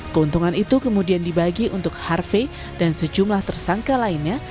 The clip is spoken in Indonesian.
keuntungan itu kemudian dibagi untuk harvey dan sejumlah tersangka lainnya